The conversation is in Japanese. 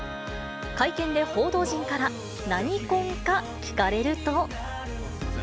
会見で報道陣から何婚か聞かれると。